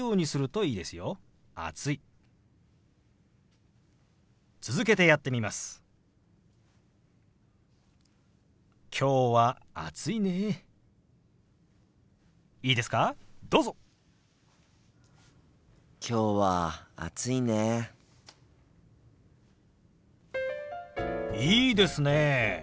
いいですね。